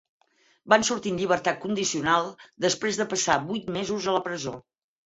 Van sortir en llibertat condicional després de passar vuit mesos a la presó.